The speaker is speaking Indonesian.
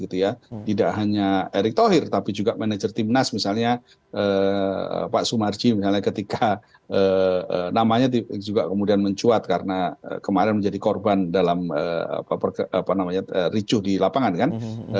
tidak hanya erick thohir tapi juga manajer timnas misalnya pak sumarji misalnya ketika namanya juga kemudian mencuat karena kemarin menjadi korban dalam ricuh di lapangan kan